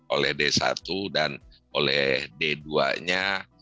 oleh d satu dan oleh d dua nya